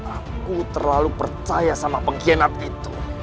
aku terlalu percaya sama pengkhianat itu